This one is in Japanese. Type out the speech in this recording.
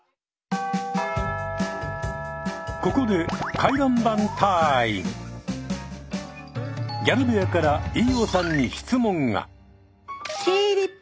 ここでギャル部屋から飯尾さんに質問が。